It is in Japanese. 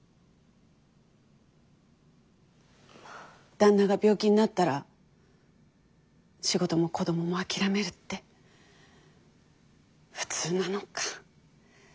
旦那が病気になったら仕事も子どもも諦めるって普通なのか。